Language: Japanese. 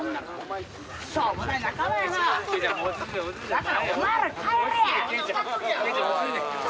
だからお前ら帰れや！